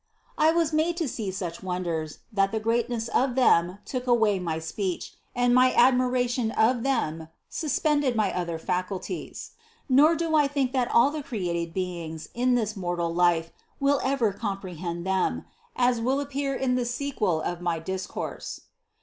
I was made to see such wonders, that the 28 CITY OF GOD greatness of them took away my speech, and my admira tion of them suspended my other faculties ; nor do I think that all the created beings in this mortal life will ever comprehend them, as will appear in the sequel of my dis course.